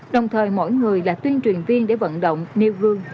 đồng thời mỗi người là tuyên truyền viên để vận động nêu gương